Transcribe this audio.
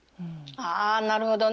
ああなるほどね。